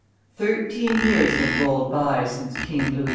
Thirteen years had rolled by since King Louis XV.